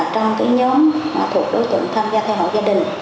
trong cái nhóm thuộc đối tượng tham gia theo hội gia đình